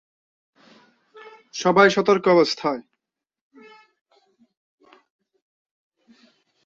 সবাই সতর্ক অবস্থায়।